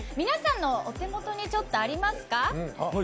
皆さんのお手元にありますか？